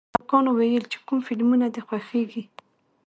هلکانو ویل چې کوم فلمونه دي خوښېږي